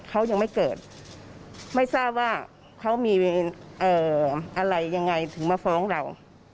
เขายังไม่เกิดไม่ทราบว่าเขามีอะไรยังไงถึงมาฟ้องเรา